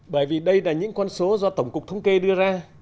bởi vì đây là những con số do tổng cục thống kê đưa ra